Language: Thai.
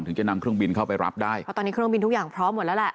จะนำเครื่องบินเข้าไปรับได้เพราะตอนนี้เครื่องบินทุกอย่างพร้อมหมดแล้วแหละ